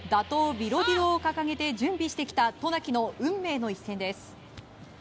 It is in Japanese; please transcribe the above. ビロディドを掲げて準備してきた渡名喜の運命の一戦です。